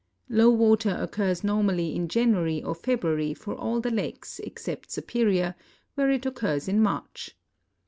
Low water occurs normally in .lamiary or February for all the lakes except Superior, where it occurs in March.